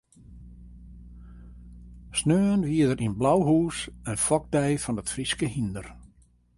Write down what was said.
Sneon wie der yn Blauhûs in fokdei fan it Fryske hynder.